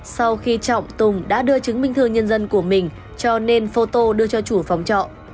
sau khi trọng tùng đã đưa chứng minh thư nhân dân của mình cho nên photo đưa cho chủ phòng trọ